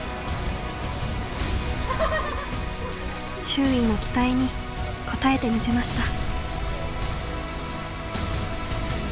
周囲の期待に応えてみせました。